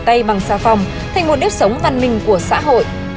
rửa tay bằng xà phòng thành một đếp sống văn minh của xã hội